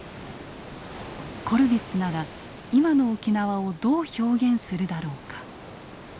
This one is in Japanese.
コルヴィッツなら今の沖縄をどう表現するだろうか。